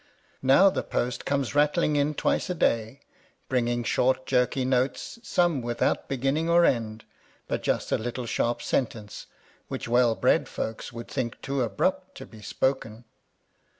Now the post comes rattling in twice a day, bringing short jerky notes, some without beginning or end, but just a little sharp sentence, which well bred folks would think too abrupt to be spoken.